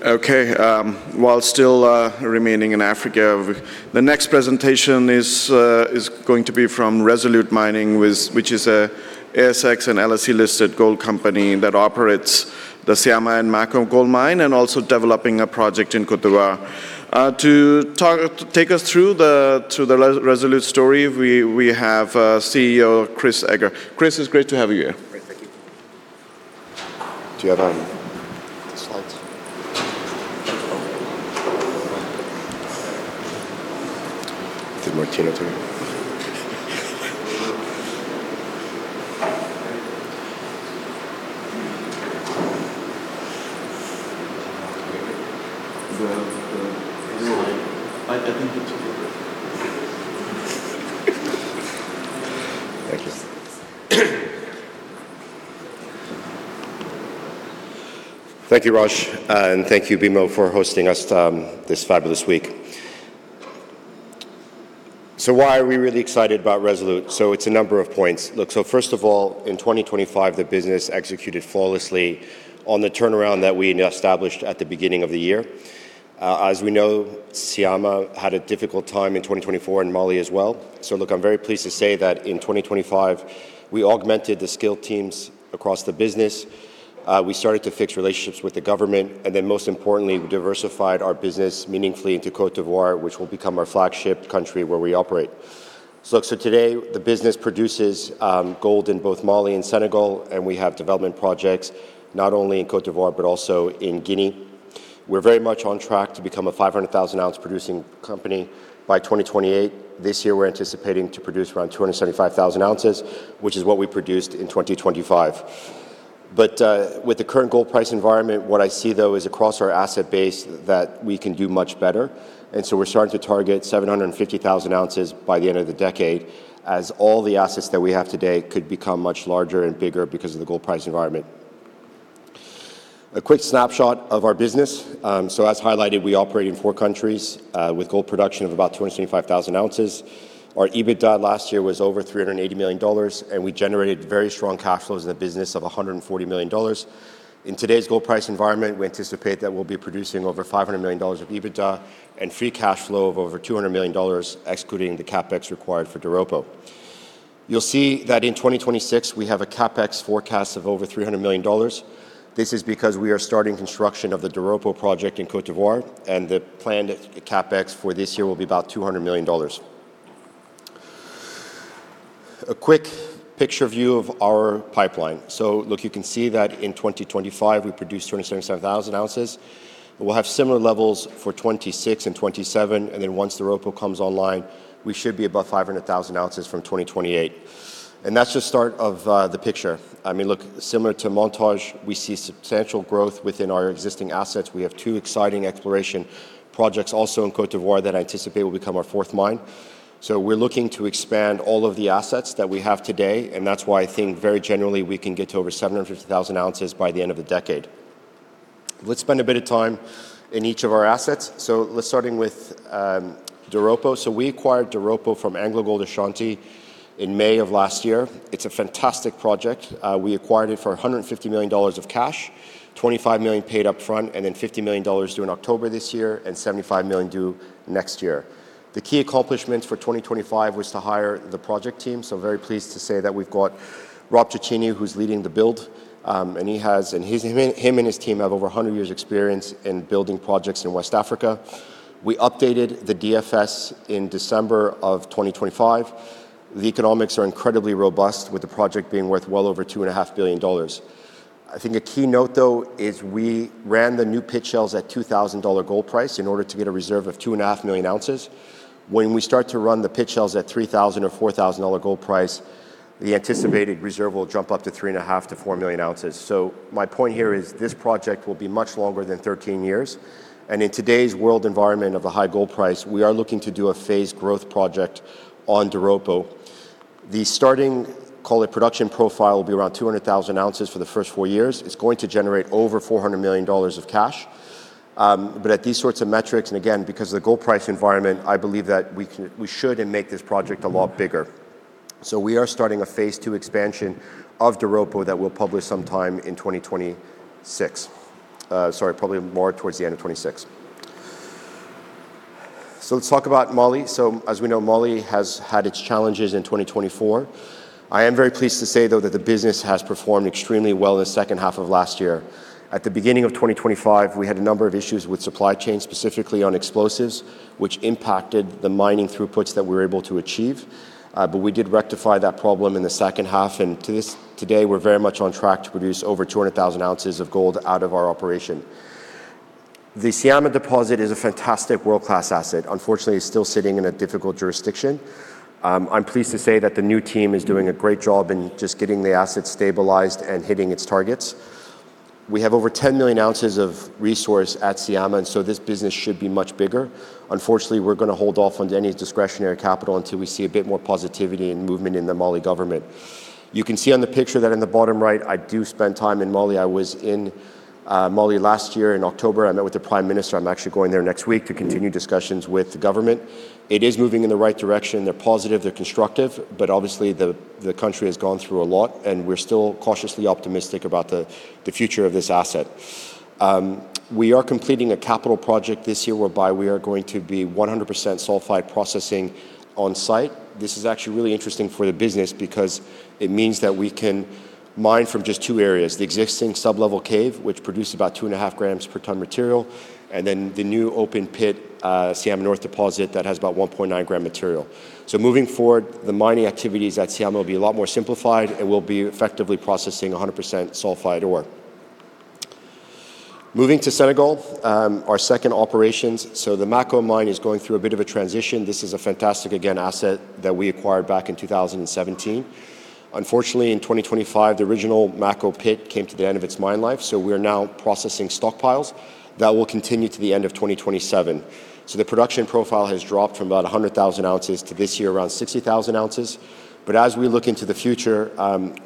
While still remaining in Africa, the next presentation is going to be from Resolute Mining, which is a ASX and LSE-listed gold company that operates the Syama and Mako gold mine, and also developing a project in Côte d'Ivoire. To take us through the Resolute story, we have CEO Chris Eger. Chris, it's great to have you here. Great. Thank you. Do you have the slides? Did Martino do it? The, the- Slide. I think it's here. Thank you. Thank you, Raj, and thank you, BMO, for hosting us this fabulous week. Why are we really excited about Resolute Mining? It's a number of points. Look, first of all, in 2025, the business executed flawlessly on the turnaround that we established at the beginning of the year. As we know, Syama had a difficult time in 2024, and Mali as well. Look, I'm very pleased to say that in 2025, we augmented the skilled teams across the business. We started to fix relationships with the government, and then most importantly, we diversified our business meaningfully into Côte d'Ivoire, which will become our flagship country where we operate. Today, the business produces gold in both Mali and Senegal, and we have development projects, not only in Côte d'Ivoire, but also in Guinea. We're very much on track to become a 500,000 ounce producing company by 2028. This year, we're anticipating to produce around 275,000 ounces, which is what we produced in 2025. With the current gold price environment, what I see, though, is across our asset base, that we can do much better. We're starting to target 750,000 ounces by the end of the decade, as all the assets that we have today could become much larger and bigger because of the gold price environment. A quick snapshot of our business. As highlighted, we operate in four countries, with gold production of about 275,000 ounces. Our EBITDA last year was over $380 million, and we generated very strong cash flows in the business of $140 million. In today's gold price environment, we anticipate that we'll be producing over $500 million of EBITDA and free cash flow of over $200 million, excluding the CapEx required for Doropo. You'll see that in 2026, we have a CapEx forecast of over $300 million. This is because we are starting construction of the Doropo project in Côte d'Ivoire, and the planned CapEx for this year will be about $200 million. A quick picture view of our pipeline. Look, you can see that in 2025, we produced 277,000 ounces. We'll have similar levels for 2026 and 2027, and then once the Doropo comes online, we should be above 500,000 ounces from 2028. That's just start of the picture. I mean, look, similar to Montage, we see substantial growth within our existing assets. We have two exciting exploration projects also in Côte d'Ivoire that I anticipate will become our fourth mine. We're looking to expand all of the assets that we have today, and that's why I think, very generally, we can get to over 750,000 ounces by the end of the decade. Let's spend a bit of time in each of our assets. Let's starting with Doropo. We acquired Doropo from AngloGold Ashanti in May of last year. It's a fantastic project. We acquired it for $150 million of cash, $25 million paid up front, $50 million due in October this year, $75 million due next year. The key accomplishments for 2025 was to hire the project team, very pleased to say that we've got Rob Cicchini, who's leading the build. He and his team have over 100 years experience in building projects in West Africa. We updated the DFS in December of 2025. The economics are incredibly robust, with the project being worth well over $2.5 billion. I think a key note, though, is we ran the new pit shells at $2,000 gold price in order to get a reserve of 2.5 million ounces. When we start to run the pit shells at $3,000 or $4,000 gold price, the anticipated reserve will jump up to 3.5 million-4 million ounces. My point here is, this project will be much longer than 13 years, and in today's world environment of a high gold price, we are looking to do a phased growth project on Doropo. The starting, call it, production profile, will be around 200,000 ounces for the first four years. It's going to generate over $400 million of cash. At these sorts of metrics, and again, because of the gold price environment, I believe that we should and make this project a lot bigger. We are starting a phase two expansion of Doropo that we'll publish sometime in 2026. Sorry, probably more towards the end of 2026. Let's talk about Mali. As we know, Mali has had its challenges in 2024. I am very pleased to say, though, that the business has performed extremely well in the second half of last year. At the beginning of 2025, we had a number of issues with supply chain, specifically on explosives, which impacted the mining throughputs that we were able to achieve. But we did rectify that problem in the second half, and to this, today, we're very much on track to produce over 200,000 ounces of gold out of our operation. The Syama Deposit is a fantastic world-class asset. Unfortunately, it's still sitting in a difficult jurisdiction. I'm pleased to say that the new team is doing a great job in just getting the asset stabilized and hitting its targets. We have over 10 million ounces of resource at Syama. This business should be much bigger. Unfortunately, we're gonna hold off on any discretionary capital until we see a bit more positivity and movement in the Mali government. You can see on the picture that in the bottom right, I do spend time in Mali. I was in Mali last year. In October, I met with the Prime Minister. I'm actually going there next week to continue discussions with the government. It is moving in the right direction. They're positive, they're constructive, obviously, the country has gone through a lot, and we're still cautiously optimistic about the future of this asset. We are completing a capital project this year whereby we are going to be 100% sulfide processing on site. This is actually really interesting for the business because it means that we can mine from just two areas, the existing sublevel cave, which produces about 2.5 grams per ton material, and then the new open pit, Syama North deposit that has about 1.9 gram material. Moving forward, the mining activities at Syama will be a lot more simplified, and we'll be effectively processing 100% sulfide ore. Moving to Senegal, our second operations, the Mako mine is going through a bit of a transition. This is a fantastic, again, asset that we acquired back in 2017. Unfortunately, in 2025, the original Mako pit came to the end of its mine life, we are now processing stockpiles. That will continue to the end of 2027. The production profile has dropped from about 100,000 ounces to this year, around 60,000 ounces. As we look into the future,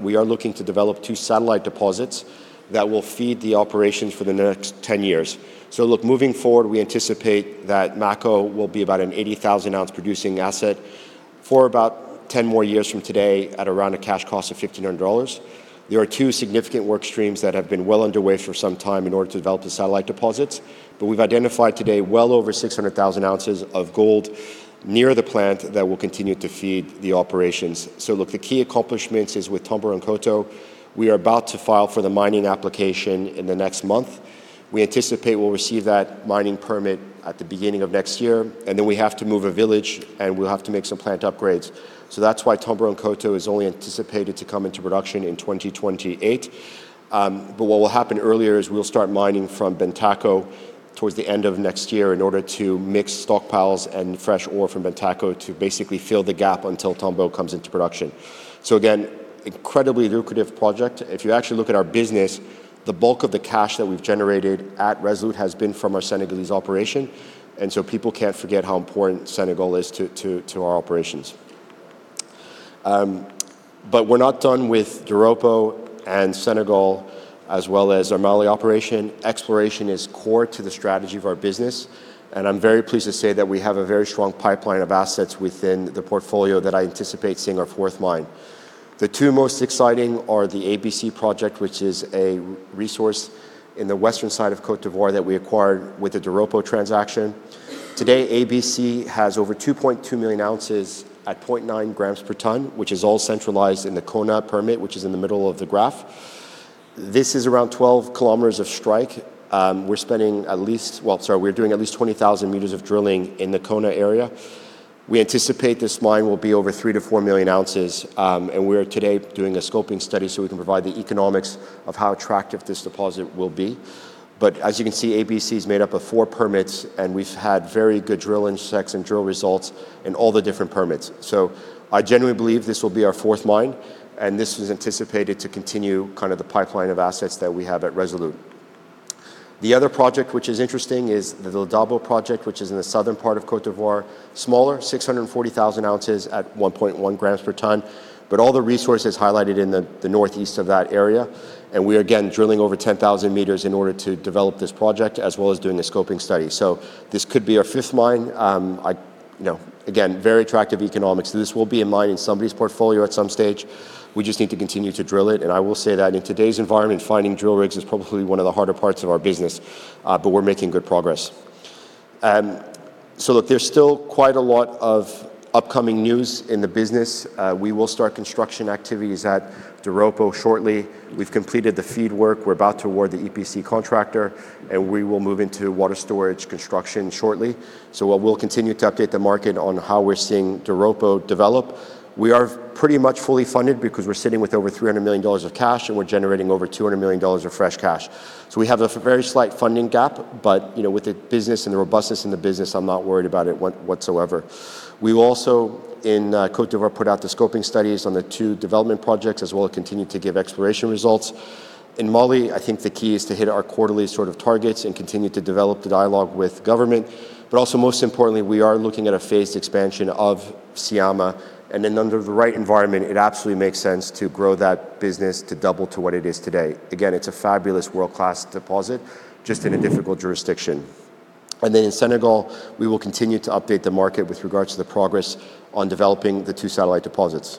we are looking to develop two satellite deposits that will feed the operations for the next 10 years. Look, moving forward, we anticipate that Mako will be about an 80,000-ounce producing asset for about 10 more years from today at around a cash cost of $1,500. There are two significant work streams that have been well underway for some time in order to develop the satellite deposits, but we've identified today well over 600,000 ounces of gold near the plant that will continue to feed the operations. Look, the key accomplishments is with Tombo and Koto, we are about to file for the mining application in the next month. We anticipate we'll receive that mining permit at the beginning of next year, then we have to move a village, we'll have to make some plant upgrades. That's why Tombo and Koto is only anticipated to come into production in 2028. What will happen earlier is we'll start mining from Bantaco towards the end of next year in order to mix stockpiles and fresh ore from Bantaco to basically fill the gap until Tombo comes into production. Again, incredibly lucrative project. If you actually look at our business, the bulk of the cash that we've generated at Resolute has been from our Senegalese operation, people can't forget how important Senegal is to our operations. We're not done with Doropo and Senegal, as well as our Mali operation. Exploration is core to the strategy of our business. I'm very pleased to say that we have a very strong pipeline of assets within the portfolio that I anticipate seeing our fourth mine. The two most exciting are the ABC project, which is a resource in the western side of Côte d'Ivoire that we acquired with the Doropo transaction. Today, ABC has over 2.2 million ounces at 0.9 grams per ton, which is all centralized in the Koné permit, which is in the middle of the graph. This is around 12 km of strike. well, sorry, we're doing at least 20,000 meters of drilling in the Koné area. We anticipate this mine will be over 3-4 million ounces. We are today doing a scoping study so we can provide the economics of how attractive this deposit will be. As you can see, ABC is made up of four permits. We've had very good drill intersects and drill results in all the different permits. I genuinely believe this will be our fourth mine. This is anticipated to continue kind of the pipeline of assets that we have at Resolute. The other project, which is interesting, is the Ladebo project, which is in the southern part of Côte d'Ivoire, smaller, 640,000 ounces at 1.1 grams per ton. All the resources highlighted in the northeast of that area, we are again drilling over 10,000 meters in order to develop this project, as well as doing a scoping study. This could be our fifth mine. I, you know, again, very attractive economics. This will be a mine in somebody's portfolio at some stage. We just need to continue to drill it. I will say that in today's environment, finding drill rigs is probably one of the harder parts of our business, but we're making good progress. Look, there's still quite a lot of upcoming news in the business. We will start construction activities at Doropo shortly. We've completed the FEED work. We're about to award the EPC contractor, and we will move into water storage construction shortly. We'll continue to update the market on how we're seeing Doropo develop. We are pretty much fully funded because we're sitting with over $300 million of cash, and we're generating over $200 million of fresh cash. We have a very slight funding gap. You know, with the business and the robustness in the business, I'm not worried about it whatsoever. We will also, in Côte d'Ivoire, put out the scoping studies on the two development projects, as well as continue to give exploration results. In Mali, I think the key is to hit our quarterly sort of targets and continue to develop the dialogue with government, but also, most importantly, we are looking at a phased expansion of Syama, and under the right environment, it absolutely makes sense to grow that business to double to what it is today. Again, it's a fabulous world-class deposit, just in a difficult jurisdiction. In Senegal, we will continue to update the market with regards to the progress on developing the two satellite deposits.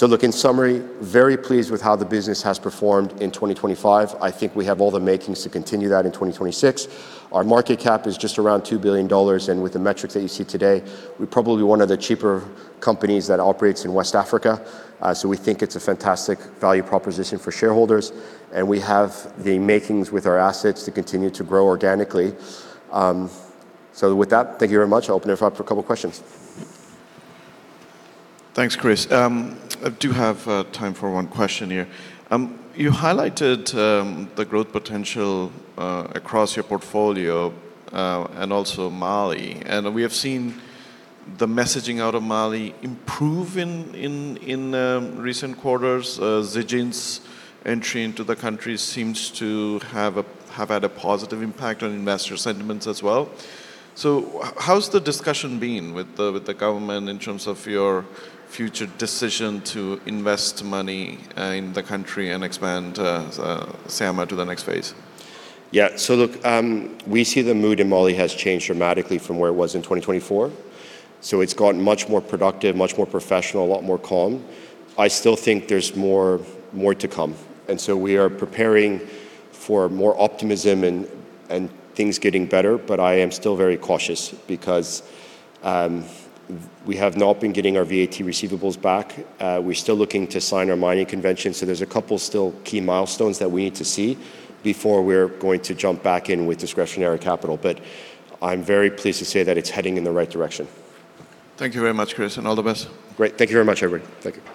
Look, in summary, very pleased with how the business has performed in 2025. I think we have all the makings to continue that in 2026. Our market cap is just around $2 billion, and with the metrics that you see today, we're probably one of the cheaper companies that operates in West Africa. We think it's a fantastic value proposition for shareholders, and we have the makings with our assets to continue to grow organically. With that, thank you very much. I'll open it up for a couple questions. Thanks, Chris. I do have time for one question here. You highlighted the growth potential across your portfolio and also Mali, and we have seen the messaging out of Mali improve in recent quarters. Zijin's entry into the country seems to have had a positive impact on investor sentiments as well. How's the discussion been with the government in terms of your future decision to invest money in the country and expand Syama to the next phase? We see the mood in Mali has changed dramatically from where it was in 2024. It's gotten much more productive, much more professional, a lot more calm. I still think there's more to come, and so we are preparing for more optimism and things getting better, but I am still very cautious because we have not been getting our VAT receivables back. We're still looking to sign our mining convention, so there's a couple still key milestones that we need to see before we're going to jump back in with discretionary capital, but I'm very pleased to say that it's heading in the right direction. Thank you very much, Chris, and all the best. Great. Thank you very much, everyone. Thank you.